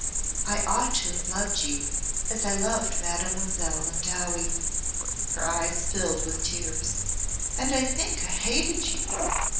"I ought to have loved you as I loved Mademoiselle and Dowie." Her eyes filled with tears. "And I think I hated you.